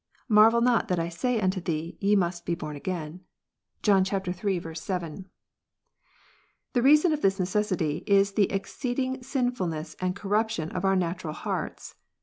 " Marvel not that I say unto thee, Ye must w be born again." (John iii. 3, 7.) The reason of this necessity is the exceeding sinfulness and <r corruption of our natural hearts.